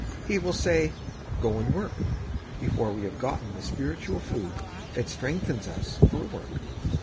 He will say, "Go and work, before we have gotten the spiritual food that strengthens us for work.